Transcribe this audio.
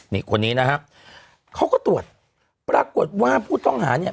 นี่คนนี้นะฮะเขาก็ตรวจปรากฏว่าผู้ต้องหาเนี่ย